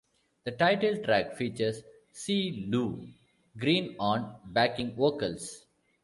The title track features Cee Lo Green on backing vocals.